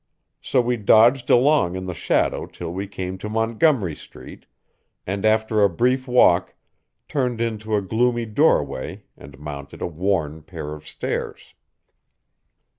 So we dodged along in the shadow till we came to Montgomery Street, and after a brief walk, turned into a gloomy doorway and mounted a worn pair of stairs.